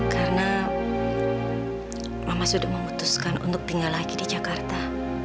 karena mama sudah memutuskan untuk tinggal lagi di jakarta